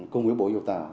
cùng với bộ dục tạo